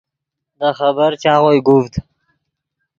دے خبر چاغوئے گوڤد